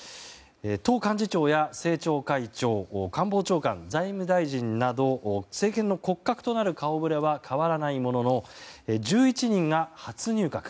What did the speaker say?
党幹事長や政調会長官房長官、財務大臣など政権の骨格となる顔ぶれは変わらないものの１１人が初入閣。